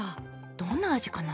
どんな味かな？